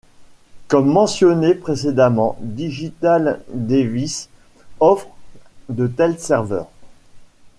Comme mentionné précédemment, Digital Devices offre de tels serveurs.